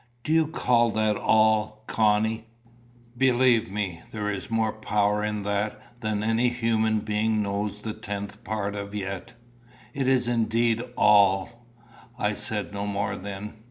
"Do you call that all, Connie? Believe me, there is more power in that than any human being knows the tenth part of yet. It is indeed all." I said no more then.